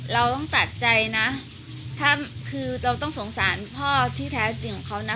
เราต้องตัดใจนะถ้าคือเราต้องสงสารพ่อที่แท้จริงของเขานะ